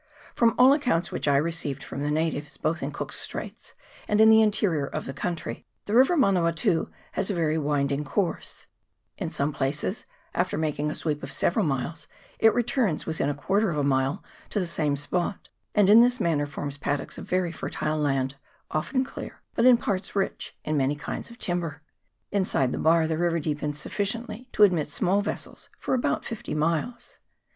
From all the accounts which I received from the natives, both in Cook's Straits and in the interior of the country, the river Manawatu has a very wind ing course ; in some places, after making a sweep of several miles, it returns within a quarter of a mile to the same spot, and in this manner forms paddocks of very fertile land, often clear, but in parts rich in many kinds of timber. Inside the bar the river deepens sufficiently to admit small vessels for about fifty miles.